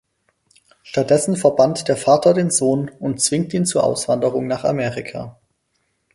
Stattdessen verbannt der Vater den Sohn und zwingt ihn zur Auswanderung nach Amerika.